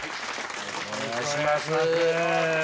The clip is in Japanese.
よろしくお願いします。